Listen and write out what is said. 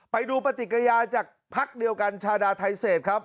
ไปดูปฏิกิริยาจากพักเดียวกันชาดาไทเศษครับ